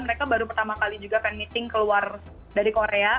mereka baru pertama kali juga fan meeting keluar dari korea